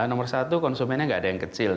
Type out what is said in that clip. nomor satu konsumennya nggak ada yang kecil